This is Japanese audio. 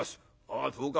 「ああそうか。